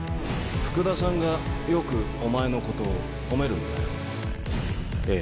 福田さんがよくお前のこと褒めるんだよＡで。